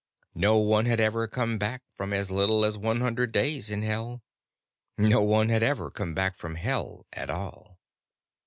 No one had ever come back from as little as one hundred days in Hell. No one had ever come back from Hell at all.